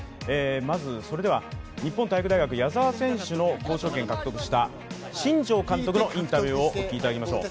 まず、日本体育大学・矢澤選手の交渉権を獲得した新庄監督のインタビューをお聞きいただきましょう。